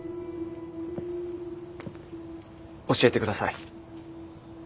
教えてください。